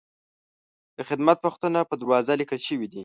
د خدمت وختونه په دروازه لیکل شوي دي.